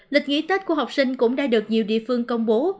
lịch nghỉ tết của học sinh cũng đã được nhiều địa phương công bố